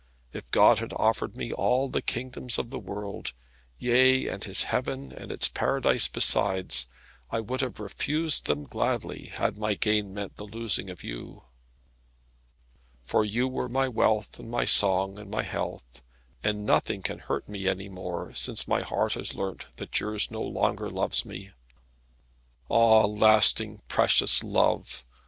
If God had offered me all the kingdoms of the world, yea, and His Heaven and its Paradise besides, I would have refused them gladly, had my gain meant the losing of you. For you were my wealth and my song and my health, and nothing can hurt me any more, since my heart has learnt that yours no longer loves me. Ah, lasting, precious love!